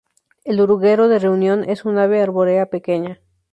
El oruguero de Reunión es un ave arbórea pequeña.